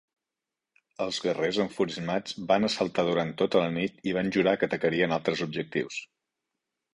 Els guerrers enfurismats van assaltar durant tota la nit i van jurar que atacarien altres objectius.